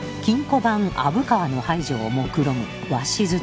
番虻川の排除をもくろむ鷲津亨。